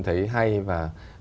thấy hay và